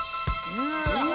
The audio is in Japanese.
「うわ！」